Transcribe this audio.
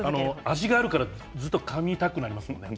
味があるからずっとかみたくなりますものね。